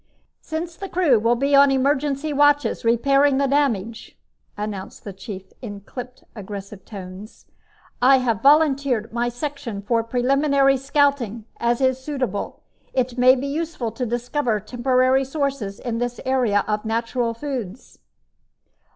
"Since the crew will be on emergency watches repairing the damage," announced the Chief in clipped, aggressive tones, "I have volunteered my section for preliminary scouting, as is suitable. It may be useful to discover temporary sources in this area of natural foods."